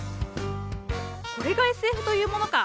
これがＳＦというものか。